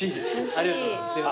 ありがとうございます。